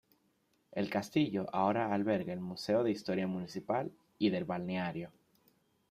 El castillo ahora alberga el Museo de Historia Municipal y del Balneario.